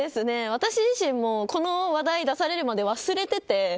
私自身もこの話題を出されるまで忘れていて。